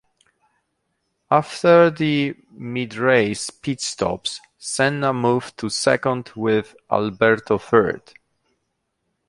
After the midrace pit stops Senna moved to second with Alboreto third.